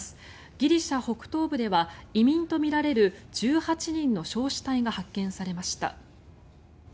ギリシャ北東部では移民とみられる１８人の焼死体が発見されました。